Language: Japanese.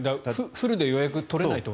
フルで予約が取れないと。